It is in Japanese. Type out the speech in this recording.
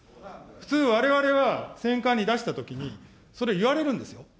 普通、われわれは選管に出したときに、それ、言われるんですよ。